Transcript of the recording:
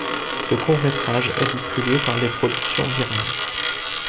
Ce court métrage est distribué par les productions Virage.